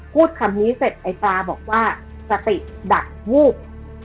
พูดคำนี้เสร็จไอ้ปลาบอกว่าสติดักวูบ